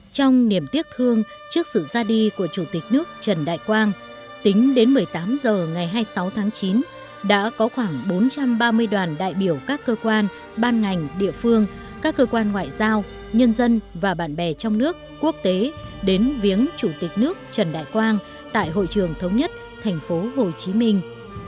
trong niềm tiếc thương trước sự ra đi của chủ tịch nước trần đại quang tính đến một mươi tám h ngày hai mươi sáu tháng chín đã có khoảng bốn trăm ba mươi đoàn đại biểu các cơ quan ban ngành địa phương các cơ quan ngoại giao nhân dân và bạn bè trong nước quốc tế đến viếng chủ tịch nước trần đại quang tại hội trưởng thống nhất thành phố hồ chí minh